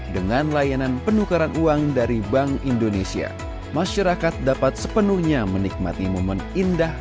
dengan layanan penukaran uang dari bank indonesia masyarakat dapat sepenuhnya menikmati momen indah